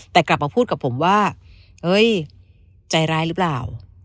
แต่กลับมาพูดกับผมว่าเฮ้ยใจร้ายหรือเปล่า